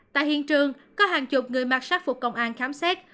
tại hiện trường có hàng chục người mặc sát phục công an khám xét